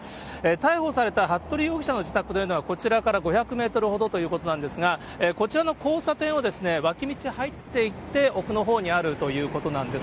逮捕された服部容疑者の自宅というのは、こちらから５００メートルほどということなんですが、こちらの交差点を脇道入っていって、奥のほうにあるということなんです。